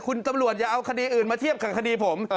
คุณตำรวจอย่าเอาคดีอื่นมาเทียบกับคดีผม